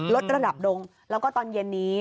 ลดระดับลงแล้วก็ตอนเย็นนี้